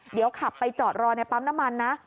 เดี๋ยวขับไปจอดรอในปั๊มน้ำมันนะ